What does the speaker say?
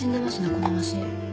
このマシン。